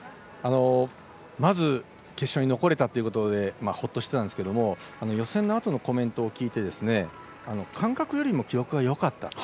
まず決勝に残れたということでほっとしていたんですけど予選のあとのコメントを聞いて感覚よりも記録がよかった。